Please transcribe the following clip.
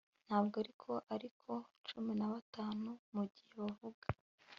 Ntabwo ariko ariko cumi na batanu mugihe bavuga